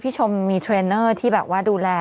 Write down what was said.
ชมมีเทรนเนอร์ที่แบบว่าดูแล